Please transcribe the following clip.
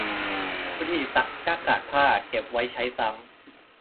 วิธีซักหน้ากากผ้า เก็บไว้ใช้ซ้ำ